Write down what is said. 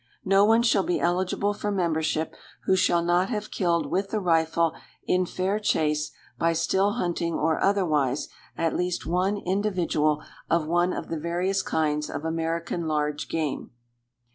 No one shall be eligible for membership who shall not have killed with the rifle in fair chase, by still hunting or otherwise, at least one individual of one of the various kinds of American large game.